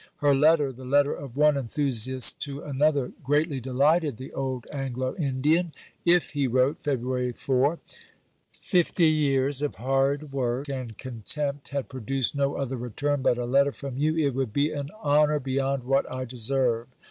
Her letter the letter of one enthusiast to another greatly delighted the old Anglo Indian. "If," he wrote (Feb. 4), "fifty years of hard work and contempt had produced no other return but a letter from you, it would be an honour beyond what I deserve.